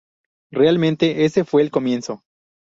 Realmente ese fue el comienzo.